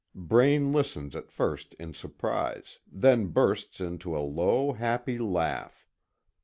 Braine listens at first in surprise, then bursts into a low, happy laugh.